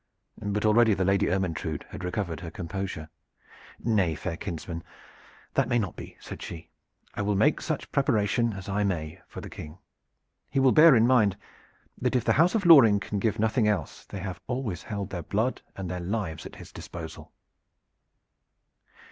But already the Lady Ermyntrude had recovered her composure. "Nay, fair kinsman, that may not be," said she. "I will make such preparation as I may for the King. He will bear in mind that if the house of Loring can give nothing else, they have always held their blood and their lives at his disposal."